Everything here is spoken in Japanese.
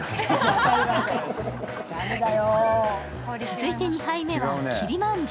続いて２杯目。